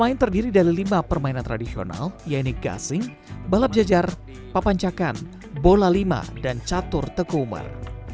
pemain terdiri dari lima permainan tradisional yaitu gasing balap jajar papancakan bola lima dan catur tekumer